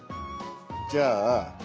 じゃあ。